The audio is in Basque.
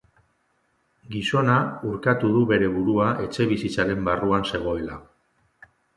Gizona urkatu du bere burua etxebizitzaren barruan zegoela.